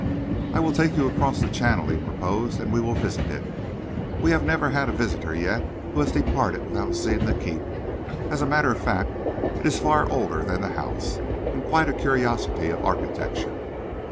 "I will take you across the channel," he proposed, "and we will visit it. We have never had a visitor yet who has departed without seeing the keep. As a matter of fact, it is far older than the house, and quite a curiosity of architecture."